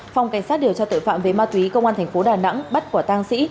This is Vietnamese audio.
phòng cảnh sát điều tra tội phạm về ma túy công an tp đà nẵng bắt quả tang sĩ